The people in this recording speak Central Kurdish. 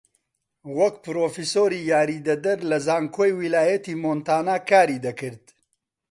وەک پرۆفیسۆری یاریدەدەر لە زانکۆی ویلایەتی مۆنتانا کاری دەکرد